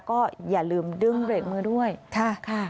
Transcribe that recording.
ก็อย่าลืมดึงเบรกมือด้วยค่ะ